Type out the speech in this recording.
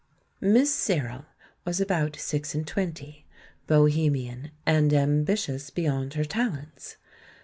Miss Searle was about six and twenty, bohe mian and ambitious beyond her talents.